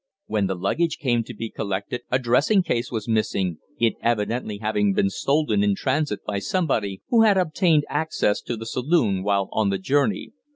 When the luggage came to be collected a dressing case was missing it evidently having been stolen in transit by somebody who had obtained access to the saloon while on the journey.